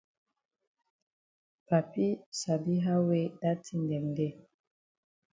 Papi sabi how wey dat tin dem dey.